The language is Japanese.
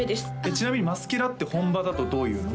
ちなみにマスケラって本場だとどう言うの？